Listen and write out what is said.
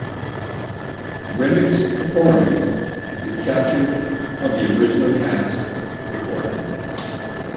Remick's performance is captured on the original cast recording.